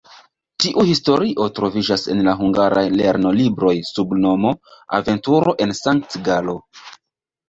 Tiu historio troviĝas en la hungaraj lernolibroj sub nomo "Aventuro en Sankt-Galo".